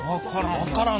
分からん。